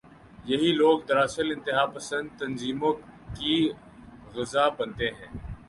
یہی لوگ دراصل انتہا پسند تنظیموں کی غذا بنتے ہیں۔